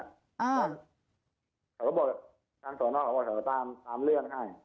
ก็บอกการสอนออกก็บอกตามเรื่องให้